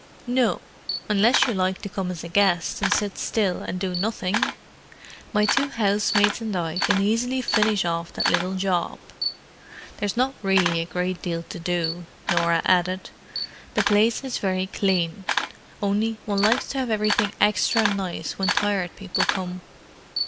"No—unless you like to come as a guest and sit still and do nothing. My two housemaids and I can easily finish off that little job. There's not really a great deal to do," Norah added; "the place is very clean. Only one likes to have everything extra nice when Tired People come."